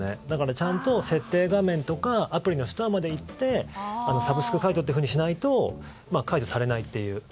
だからちゃんと設定画面とかアプリのストアまでいってサブスク解除ってしないと解除されないという。